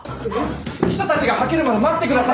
記者たちがはけるまで待ってください！